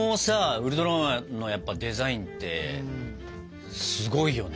ウルトラマンのデザインってすごいよね。